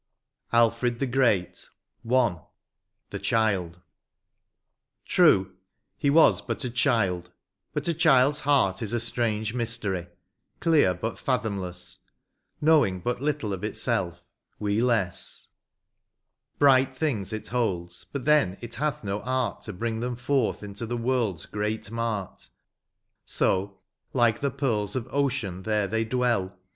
1^7 XLVIII. ALFRED THE GREAT. — I. THE CHILD. True, he was but a child, hut a child s heart Is a strange mystery, clear hut fathomless, KnowiDg hut little of itself, we less; Bright things it holds, hut then it hath no art To hring them forth into the world's great mart, So like the pearls of ocean there they dwell.